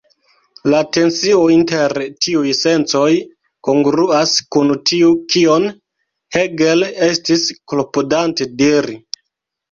La tensio inter tiuj sencoj kongruas kun tio kion Hegel estis klopodante diri.